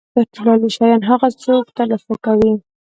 تر ټولو عالي شیان هغه څوک ترلاسه کوي.